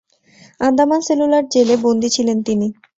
Andaman cellular জেলে বন্দী ছিলেন তিনি।